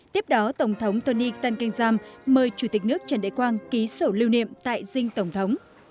tiếp đó tổng thống tony tan kenjam mời chủ tịch nước trần đại quang ký sổ lưu niệm tại dinh tổng thống